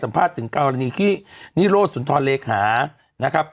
สัมภาษณ์ถึงกรณีที่นิโรธสุนทรเลขานะครับ